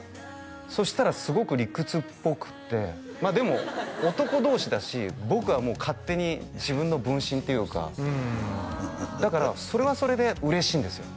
そしたらすごく理屈っぽくてまあでも男同士だし僕はもう勝手に自分の分身っていうかだからそれはそれで嬉しいんですよ